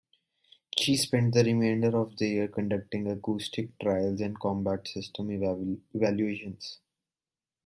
She spent the remainder of the year conducting acoustic trials and combat system evaluations.